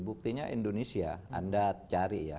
buktinya indonesia anda cari ya